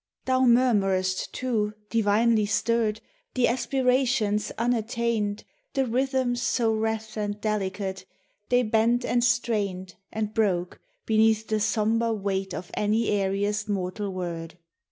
Thou inurmurest, too, divinely stirred, The aspirations unattained, The rhythms so rathe and delicate, They bent and strained And broke, beneath the sombre weight Of any airiest mortal word.